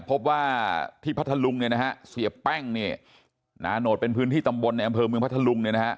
พบว่าที่พัทลุงสีแป้งเนี่ยนะโนตเป็นพื้นที่ตำบลในอำเพินนาฮะเมืองพัทลุง